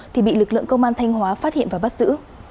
thì bị lực lượng công an thanh hóa phát hiện và bắt giữ